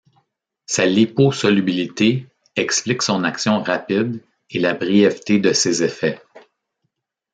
Sa liposolubilité explique son action rapide et la brièveté de ses effets.